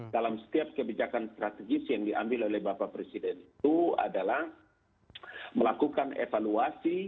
dalam setiap kebijakan strategis yang diambil oleh bapak presiden itu adalah melakukan evaluasi